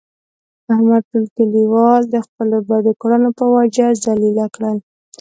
احمد ټول کلیوال د خپلو بدو کړنو په وجه ذلیله کړل.